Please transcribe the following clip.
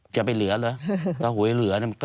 จะไปเหลือเหรอ